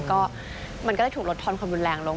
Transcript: ก็มันก็จะถูกลดทอนความรุนแรงลง